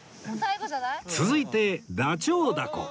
続いてダチョウ凧